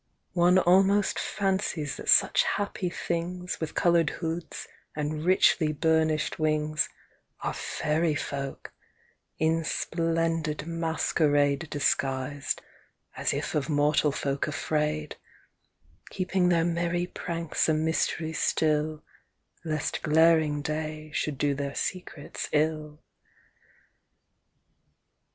One almost fancies that such happy things, With coloured hoods and richly burnished wings, Are fairy folk, in splendid masquerade Disguised, as if of mortal folk afraid, Keeping their merry pranks a mystery still, Lest glaring day should do their secrets ill.